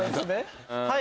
はい。